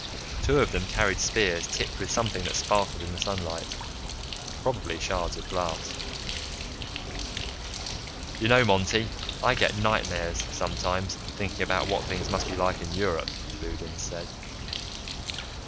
Two of them carried spears tipped with something that sparkled in the sunlight, probably shards of glass. "You know, Monty, I get nightmares, sometimes, thinking about what things must be like in Europe," Loudons said.